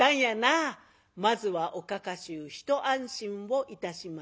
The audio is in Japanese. まずはおかか衆一安心をいたしました。